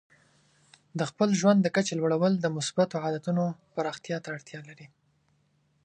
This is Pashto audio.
د خپل ژوند د کچې لوړول د مثبتو عادتونو پراختیا ته اړتیا لري.